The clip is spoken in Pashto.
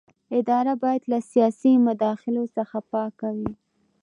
اداره باید له سیاسي مداخلو څخه پاکه وي.